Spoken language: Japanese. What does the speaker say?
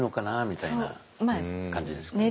みたいな感じですかね。